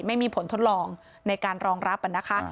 ไม่มีผลทดลองในการรองรับนะคะ